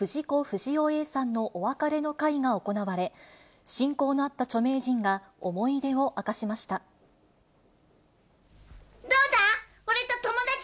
不二雄Ａさんのお別れの会が行われ、親交のあった著名人が思い出を明どうだ？